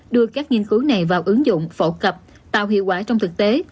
đưa các nghiên cứu này vào ứng dụng phổ cập tạo hiệu quả trong thực tế